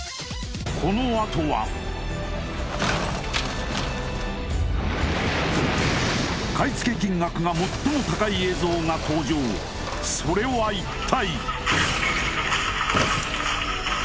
このあとは買い付け金額が最も高い映像が登場それは一体？